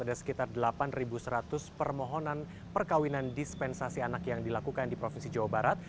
ada sekitar delapan seratus permohonan perkawinan dispensasi anak yang dilakukan di provinsi jawa barat